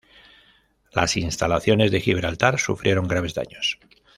Las instalaciones de Gibraltar sufrieron graves daños.